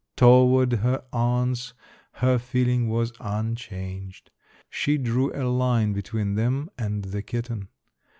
Toward her aunts her feeling was unchanged. She drew a line between them and the kitten.